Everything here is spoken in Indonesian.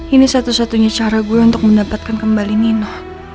ini satu satunya cara gue untuk mendapatkan kembali nino